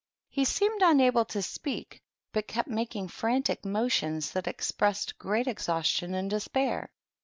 He seemed unable to speak, but kept making frantic motions that expressed great exhaustion and despair.